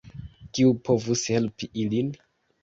Kiu povus helpi ilin?